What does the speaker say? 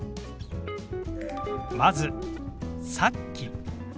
まず「さっき」。